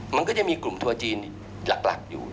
มันก็จะมีกลุ่มทัวร์จีนหลักอยู่